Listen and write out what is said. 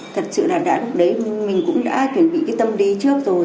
thật sự là đã lúc đấy mình cũng đã chuẩn bị cái tâm đi trước rồi